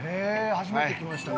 初めて来ましたね。